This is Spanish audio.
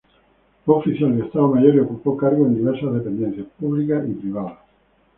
Fue oficial de estado mayor, y ocupó cargos en diversas dependencias públicas y privadas.